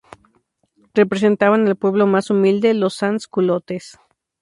Representaban al pueblo más humilde, los "sans-culottes".